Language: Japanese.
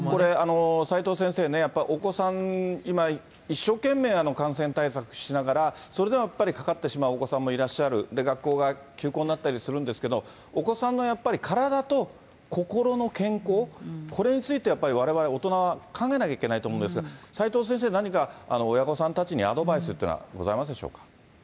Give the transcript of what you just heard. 齋藤先生ね、やっぱ、お子さん、今一生懸命、感染対策しながら、それでもやっぱりかかってしまうお子さんもいらっしゃる、学校が休校になったりするんですけど、お子さんのやっぱり体と心の健康、これについてやっぱり、われわれ大人は考えないといけないと思うんですが、齋藤先生、何か親御さんたちにアドバイスっていうのはありますでしょうか。